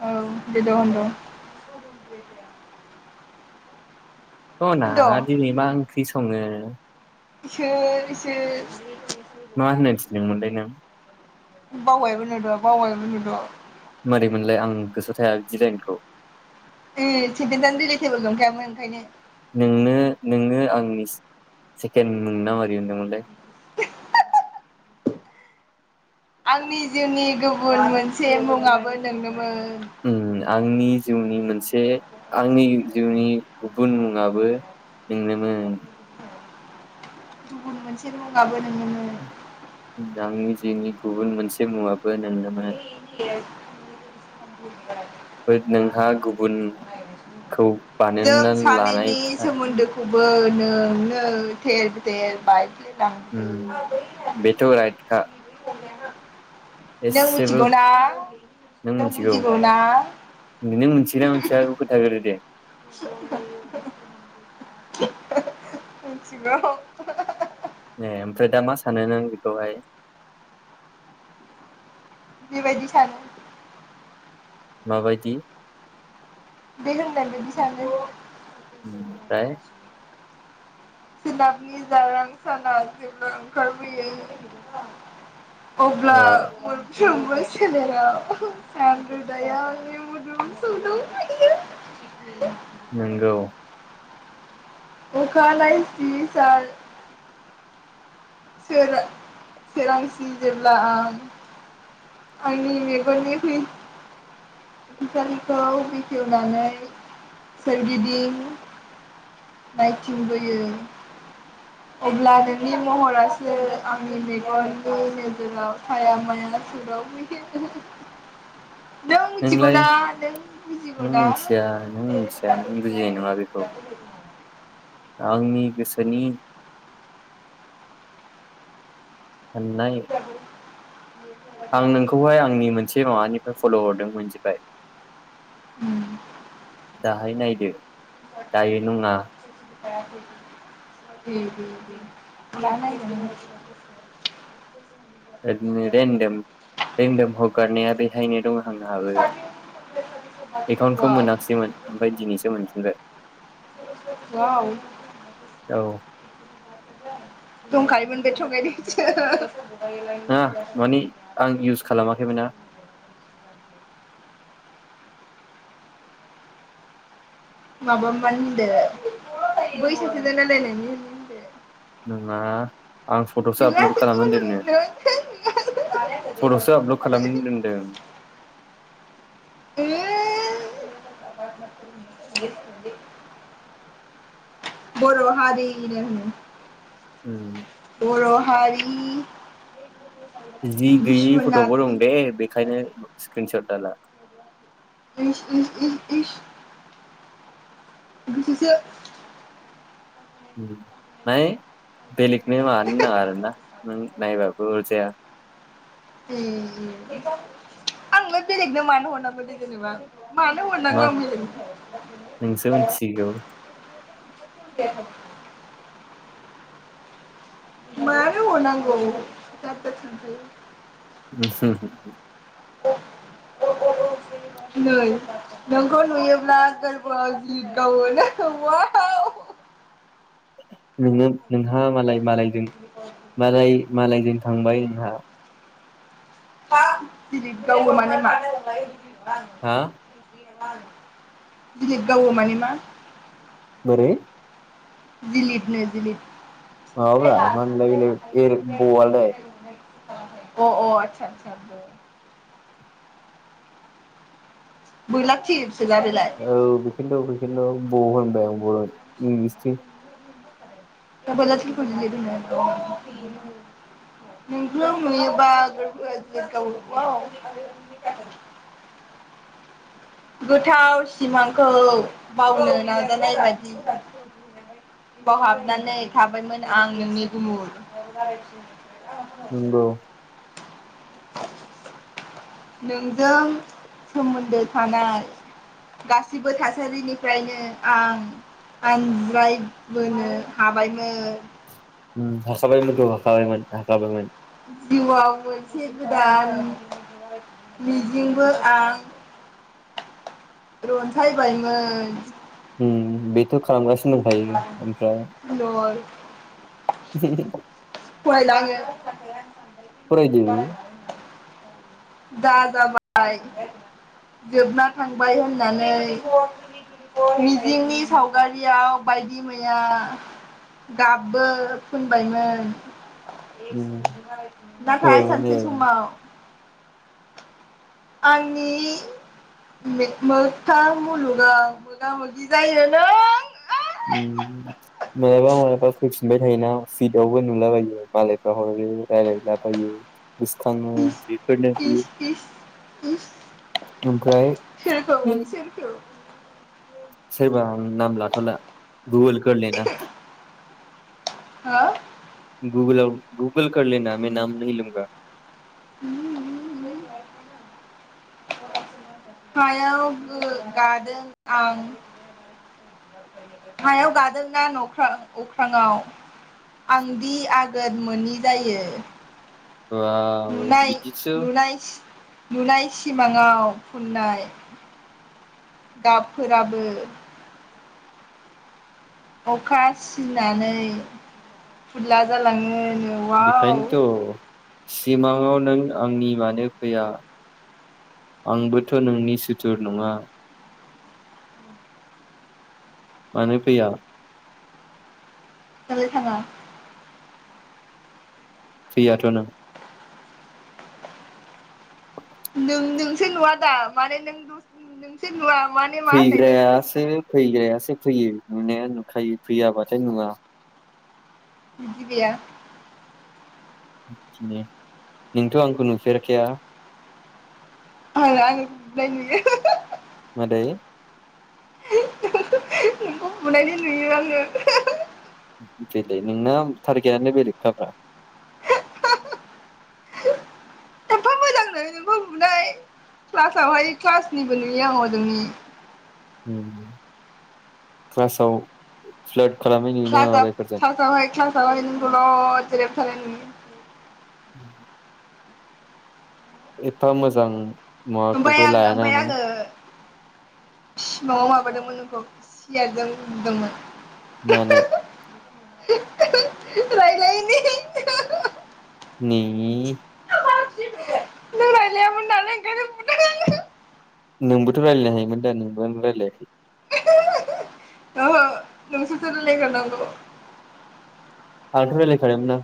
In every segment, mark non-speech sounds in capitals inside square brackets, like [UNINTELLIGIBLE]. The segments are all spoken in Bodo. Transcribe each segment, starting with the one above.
औ [UNINTELLIGIBLE] स'ना होनद' दिनि मा ओंख्रि सङो? इसोर इसोर। मा होननो थिनदोंमोनलाय नों? बावबायबो नुद' बावबायबो नुद'। मारैमोनलाय आं गोसोआव थाया बिदि लााइनखौ? ओ [UNINTELLIGIBLE] नंखायामोन ओंखायनो नोंनो नोंनो आंनि से सेकेण्ड मुंना मारि मोनदोंमोनलाय। आंनि जिउनि गुबुन मोनसे मुुंङाबो नोंनोमोन। ओम आंनि जिउनि मोनसे आंनि जिउनि गुबुन मुंङाबो नोंनोमोन। [UNINTELLIGIBLE] आंनि जिउनि गुबुन मोनसे मुंआबो नोंनोमोन। एस नोंहा गुबुनखौ [UNINTELLIGIBLE] जों बानायना लानाय सानैनि सोमोन्दोखौ बो नों नो थेरबेथेर बायग्लि ओं बेथ' राइटखा। नों एसे मिथिगौना नों बुजिगौ ना। ओआं मोनथिया बेखौ खोनथा ग्रो दे। [UNINTELLIGIBLE] ए ओमफ्राय दा मा सानो नों बेखौहाय? बिबायदि सानो। मा बायदि? बे होननाय बादि सानो। ओमफ्राय सोनाबनि जारां साना जेब्ला ओंखारबोयो। अब्ला [UNINTELLIGIBLE] नोंगौ। अखा नायसि सान सोर सोरांसि जेब्ला आं आंनि मेगननि फै फैसालिखौ बेखेवनानै सोरगिदिं नायथिंबोयो अब्ला नोंनि महरा आंनि मेगननि नोजोराव हाया माया सौदावफैयो। नों नोंलाय मिथिगौना नों नों बुजिगौना मिथिया नों मिथिया नों बुजिनाय नङा बेखौ [UNINTELLIGIBLE] आंनि गोसोनि साननाय। आं नोंखौहाय आंनि मोनसे माबानिफ्राय फल' हरदों मिथिबाय [INAUDIBLE] दाहाय नायदो। दायो नंया। [UNINTELLIGIBLE] [UNINTELLIGIBLE] हगारनाया बेहायनो दं आंहाबो। एकाउन्टखौ वाव मोनाखिसैमोन ओमफ्राय दिनैसो मोनफि दे [UNINTELLIGIBLE] औ दंखायोमोन बेयो थगायदोंसो खालामाखैमोनना खालामाखैमोना [UNINTELLIGIBLE] [UNINTELLIGIBLE] आं फट'सो आपल'ड नोङासो खालामनानै होनो दोननो नोङासो फट'सो आपल'ड खालामनानै दोनदों [UNINTELLIGIBLE] बर' हारिनो [INAUDIBLE] बर' हारि जि गैयि फट'बो दं बिस्वनाथनि दे बेखायनो [UNINTELLIGIBLE] [UNINTELLIGIBLE] [UNINTELLIGIBLE] [UNINTELLIGIBLE] बेलेगनो मानो नाङा आर ना नों नायबाबो अरजाया ए आंल बेलेगनो मानो हरनांगदो जेनेबा मानो मा हरनांगौ आं नोंसो बेलेगनो मिथिगौ दे मानो हरनांगौ [UNINTELLIGIBLE] नै नोंखौ नुयोब्ला गोरबोआव गित गावों अवाव नैलै नोंहा मालाय मालायजों मालाय मालायजों थांबाय होनहा हा गिलिद गावो मानो मा हा गिलिद गावो माने मा बोरै जिलिट नो जिलिट [UNINTELLIGIBLE] माबाब्रा मा होनलाय बेलाय एर बआलाय अ अ आतसा आतसा बोरला थिर औ बेखिथु बेखिथु बाव होनबाय बर' नि इंलिसनि दाबोला थांखांफिनलायगोन नोंखौ नुयोबा गोरबोया बेरगावो अआव गोथाव सिमांखौ बावनो नाजानाय बादि बावहाबनानै थाबायमोन आं नोंनि गुमुर नोंग नोंजों सोमोन्दो थानाय गासिबो थासारिनिफ्रायनो आं आनज्रायबोनो हाबायमोन ओम हाखाबायमोनथ' हाखाबायमोन हाखाबायमोन जिउआव मोनसे गोदान मिजिंबो आं रनसायबायमोन उम बेथ' खालामगास [UNINTELLIGIBLE] खायो ओमफ्राय लर फारायला आङो फरायदो जा जाबाय जोबना थांबाय होननानै मिजिंनि सावगारियाव बायदि मैया गाबबो फोनबायमोन उम नाथाय होबायमोन सानसे होबायमोन समाव आंनि [UNINTELLIGIBLE] मोगथा मुलुगाव मोगा मोगि जायो नों उ मालाबा मालाबा फैफिनबाय थायोना फिटआवबो नुलाबायो मालायफ्रा हरो रायलायलाबायो गोसोखाङो बेफोरनोदि इस इस इस ओमफ्राय सोरखौ सोरखौ सोरबा नाम उम लाथ'ला गुगोल खोललेदा हो गुगोलआव गुगोल करलेना मे नाम निहि लुंगा उ [UNINTELLIGIBLE] हायाव गो गादों आं हायाव गादोंना नख्रा अख्रांआव आं दि आगोद मोनि जायो। अवाव नुनाय बिदिसो नुनाय नुनाय सिमाङाव फुननाय गाबफोराबो अखा सिनानै फुरला जालाङो न'आव बेखायनथ सिमाङाव नों आंनि मानो फैया आंबोथ नोंनि सुथुर नङा मानो फैया दालाय थाङा फैयाथ नों नों नोंसो नुवा दा माने नों द [UNINTELLIGIBLE] नोंसो नुवा माने मा होननाय जाखो फैग्रायासो फैग्रायासो फैयो नुनाया नुखायो फैयाबाथाय नुङा बिदि गैया नोंथ आंखौ नुफेरखाया आं [UNINTELLIGIBLE] मादै [UNINTELLIGIBLE] नोंखौ बुनायनि नुयो आङो बेलाय नोंना थारगे [UNINTELLIGIBLE] नो बेलेखाबा एम्फा मोजांनो नोंखौ बुंनाय क्लासावहाय क्लासनिबो नुयो आं हजोंनि उम क्लासाव प्लोट [UNINTELLIGIBLE] क्लासावहाय क्लासावहाय नों दलद जिरायबाय थानाय नुयो उम एफा मोजां ओमफ्राय माखौबो आं लाया ओमफ्राय नों आङो सिमाङाव माबादोंमोन नोंखौ सियारजों बुदोंमोन। मानो रायलायिनि हि हि हि नि नि रायलायामोन नालाय ओंखायनो बुंदों आङो नोंबोथ रायज्लायनो हायोमोन दा नोंबो आंखौ रायजलायाखै। [UNINTELLIGIBLE] ओहो नोंसोरसो राइलाय ग्रोनांगौ। आंथ रायलाय खादोंमोनना।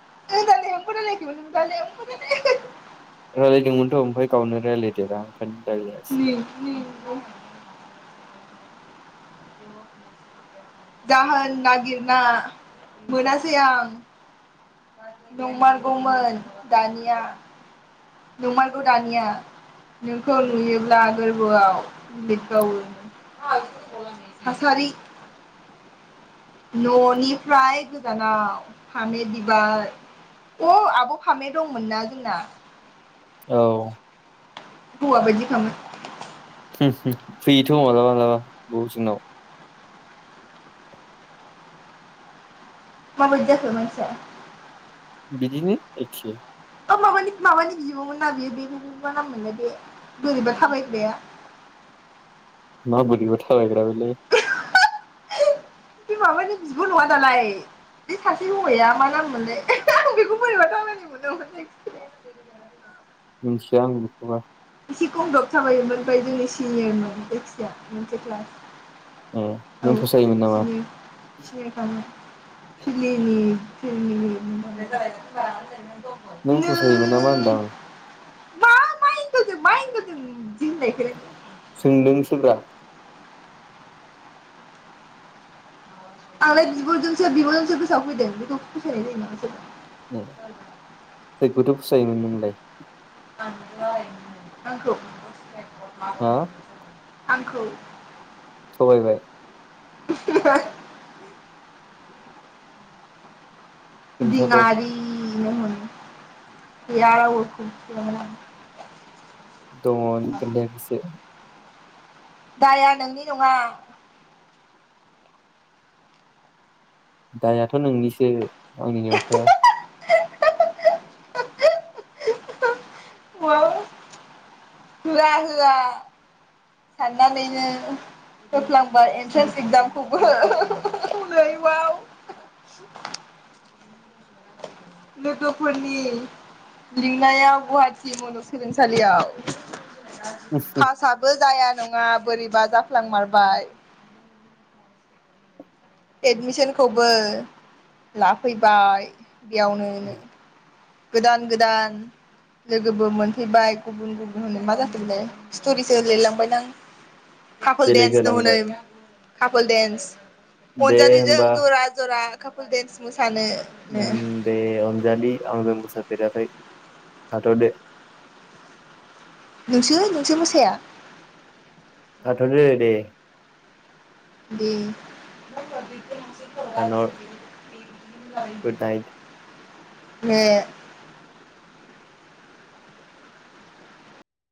[UNINTELLIGIBLE] रायलायदोंमोनथ ओमफ्राय गावनो रायज्लायदेरा। [UNINTELLIGIBLE] जाहोन नागिरना मोनासै आं नंमारगौमोन दानिया नंमारगौ दानिया नोंखौ नुयोब्ला गोरबोआव लिरबावो थासारि ननिफ्राय गोजानाव फामे बिबार अ आब फामे दंमोनना जोंना औ हौवा बदि खामोन। फैयोथ मालाबा मालाबा बबे जोंनाव माबायदि जाखो मानसिया? बिदिनिनो एखे। औ माबानि माबानि बिबमोन ना बियो बे बे मा नाममोनलाय बे बोरैबा थाबायग्राया मा बोरैबा थाबायग्रा बेलाय बे माबानि बिब' नङा दालाय बे सासे हौवाया मा नाम मोनलै आं बेखौ बोरैबा थाबायनाय मोनो मिनथिया आं बिखौबा एसे गंदब थाबायोमोन ओमफ्राय जोंनि सिनियरमोन जायखिजाया मोनसे क्लास। ए औ नों फसायोमोन नामा [INAUDIBLE] फिलिनि [UNINTELLIGIBLE] नों फसायोमोन नामा होनदां? मा एंगोलजों मा एंगोलजों बिदि होननायखो सोंदोंसोब्रा आंलाय बिब'जोंसो बिब'जोंसो गोसोआव फैदों बेखौ फसायनाय जायो नामा सोरबा उम बै गुदु फसायोमोन नोंलाय [UNINTELLIGIBLE] आंखौ हा [INAUDIBLE] आंखौ थगायबाय ओहोहो खोन्थाद' दिनारि गैया रावबो फन‌ थुदोमोन आं दंङ नों खोनथायाखैसो दाया नोंनि नंङा दाययाथ' नोंनिसो आंनि नोंखाया [UNINTELLIGIBLE] होआ होआ साननानैनो होफ्लांबा एन्ट्रेन्स एक्जामखौबो नैबाव लोगोफोरनि लिंनायाव गुवाहाटि मुलुगसोलोंसालियाव फासआबो जाया नंङा बोरैबा जाफ्लांमारबाय एडमिसनखौबो लाफैबाय इयावनो गोदान गोदान लोगोबो मोनफैबाय गुबुन गुबुन मा जाखो बेलाय स्ट'रिसो लिरलांबाय दां खाफोल बेलेग देन्स दङनो जालांबाय खाफ फोल डेन्स दे अनजालिजों होमबा जरा जरा खाफोल देन्स उम दे अनजालि आं रों फेराखै थाथ'दो । नोंसो नोंसो मोसाया थाथ'दो दे बे [UNINTELLIGIBLE] गुड नाइट। मे।